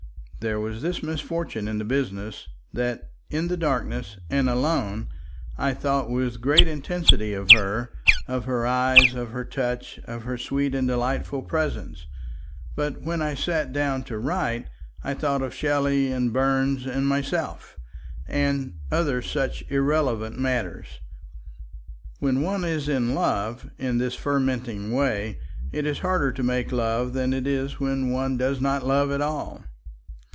There was this misfortune in the business, that in the darkness, and alone, I thought with great intensity of her, of her eyes, of her touch, of her sweet and delightful presence, but when I sat down to write I thought of Shelley and Burns and myself, and other such irrelevant matters. When one is in love, in this fermenting way, it is harder to make love than it is when one does not love at all.